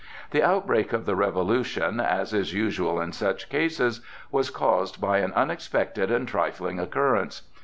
The outbreak of the revolution, as is usual in such cases, was caused by an unexpected and trifling occurrence.